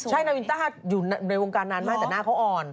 ใช่นาวินต้าอยู่ในวงการนานมากแต่หน้าเขาอ่อน